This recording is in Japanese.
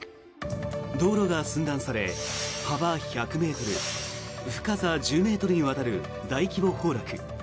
道路が寸断され幅１００ｍ、深さ１０ｍにわたる大規模崩落。